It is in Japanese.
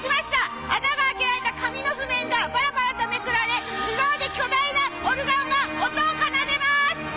穴が開けられた紙の譜面がぱらぱらとめくられ自動で巨大なオルガンが音を奏でます。